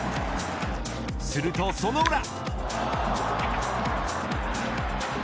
するとその裏。